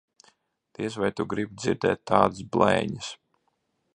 Diez vai tu gribi dzirdēt tādas blēņas.